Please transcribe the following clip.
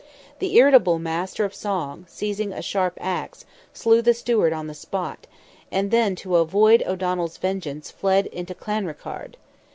The irritable master of song, seizing a sharp axe, slew the steward on the spot, and then to avoid O'Donnell's vengeance fled into Clanrickarde.